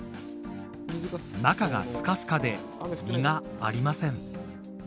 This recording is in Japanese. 中がすかすかで実がありません。